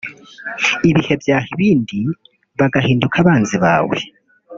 ibihe byaha ibindi bagahinduka abanzi bawe